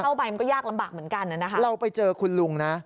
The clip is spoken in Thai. มันก็ยากลำบากเหมือนกันน่ะนะคะเราไปเจอคุณลุงนะ